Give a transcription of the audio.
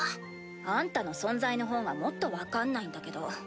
あんたの存在の方がもっと分かんないんだけど。